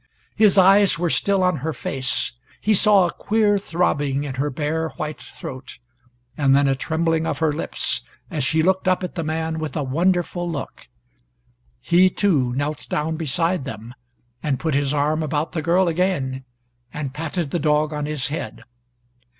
His eyes were still on her face: he saw a queer throbbing in her bare white throat, and then a trembling of her lips as she looked up at the man with a wonderful look. He, too, knelt down beside them, and put his arm about the girl again, and patted the dog on his head.